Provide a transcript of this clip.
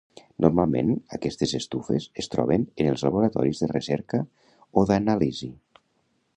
Normalment aquestes estufes es troben en els laboratoris de recerca o d'anàlisi.